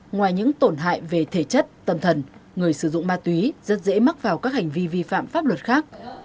ngoài những tổn hại về thể chất tâm thần người sử dụng ma túy rất dễ mắc vào các hành vi vi phạm pháp luật khác